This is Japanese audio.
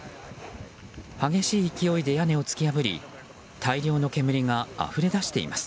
激しい勢いで屋根を突き破り大量の煙があふれ出しています。